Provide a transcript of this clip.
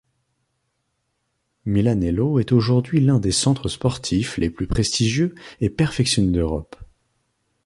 Milanello est aujourd'hui l'un des centres sportifs les plus prestigieux et perfectionnés d'Europe.